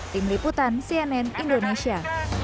tim liputan cnn indonesia